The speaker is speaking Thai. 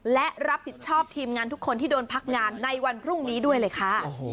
และรับผิดชอบทีมงานทุกคนที่โดนพักงานในวันพรุ่งนี้ด้วยเลยค่ะ